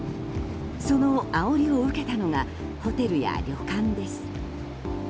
そのあおりを受けたのがホテルや旅館です。